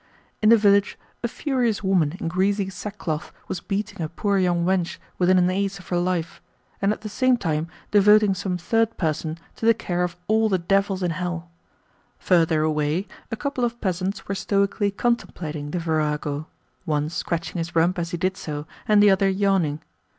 In the village a furious woman in greasy sackcloth was beating a poor young wench within an ace of her life, and at the same time devoting some third person to the care of all the devils in hell; further away a couple of peasants were stoically contemplating the virago one scratching his rump as he did so, and the other yawning.